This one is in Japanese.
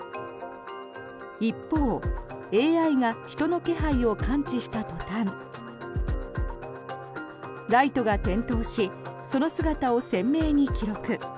一方、ＡＩが人の気配を感知した途端ライトが点灯しその姿を鮮明に記録。